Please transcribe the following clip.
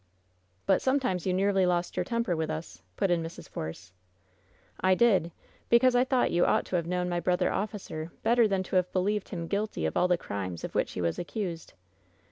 "But sometimes you nearly lost your temper with us!" put in Mrs. Force. "I did; because I thought you ought to have known my brother officer better than to have believed him guilty of all the crimes of which he was accused!